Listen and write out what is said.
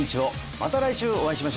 また来週お会いしましょう